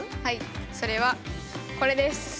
はいそれはこれです。